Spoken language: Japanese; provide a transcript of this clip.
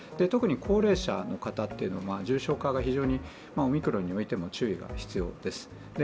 特に高齢者の方というのは重症化がオミクロンにおいても注意が必要です。